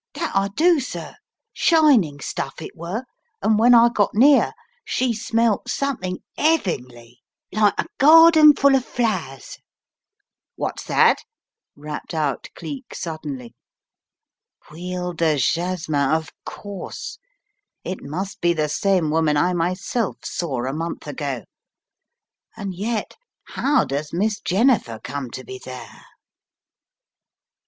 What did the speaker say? "That I do, sir. Shining stuff it were and when 138 The Riddle of the Purple Emperor I got near, she smelt something hevingly, like a garden full o' flowers/' "What's that?" rapped out Cleek, suddenly. "Huile de jasmin, of course. It must be the same woman I myself saw a month ago; and yet how does Miss Jennifer come to be there?